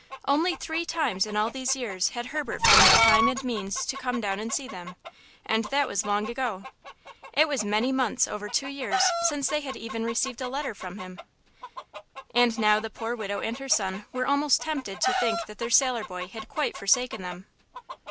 Only three times in all these years had Herbert found time and means to come down and see them, and that was long ago. It was many months over two years since they had even received a letter from him. And now the poor widow and her son were almost tempted to think that their sailor boy had quite forsaken them.